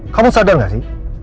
kamu sadar gak sih